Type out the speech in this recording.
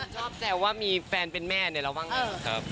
ชอบแสว่ามีแฟนเป็นแม่ในราววังเท่ะ